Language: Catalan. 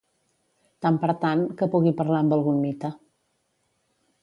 Tant per tant, que pugui parlar amb algun mite.